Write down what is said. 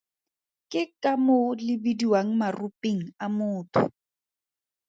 Ke ka moo le bidiwang Maropeng a Motho.